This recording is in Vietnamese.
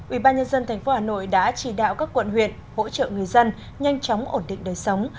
ubnd tp hà nội đã chỉ đạo các quận huyện hỗ trợ người dân nhanh chóng ổn định đời sống